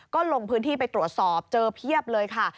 ก็ลงพื้นที่ไปตรวจสอบเจอเพียบเลยค่ะ